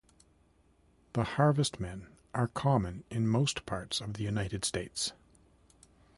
The harvestmen are common in most parts of the United States.